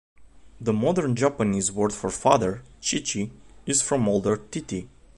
The modern Japanese word for "father," "chichi", is from older "titi".